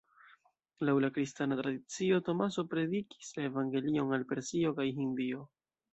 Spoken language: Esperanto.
Laŭ la kristana tradicio, Tomaso predikis la evangelion al Persio kaj Hindio.